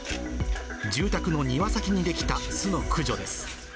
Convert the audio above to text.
住宅の庭先に出来た巣の駆除です。